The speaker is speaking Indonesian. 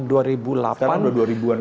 sekarang udah dua ribu an lebih